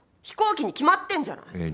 飛行機に決まってんじゃない。